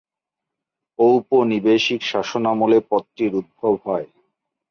ঔপনিবেশিক শাসনামলে পদটির উদ্ভব হয়।